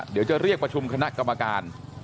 เดี๋ยวจะเรียกประชุมคณะกรรมการ